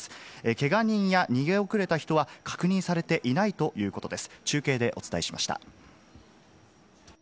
けが人や逃げ遅れた人は確認されていないということです。